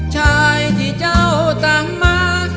ชายที่เจ้าตามมา